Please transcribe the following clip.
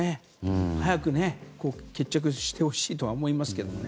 早く決着してほしいとは思いますけどね。